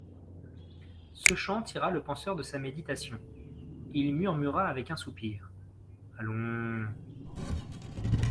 Ce chant tira le penseur de sa méditation ; il murmura avec un soupir : Allons !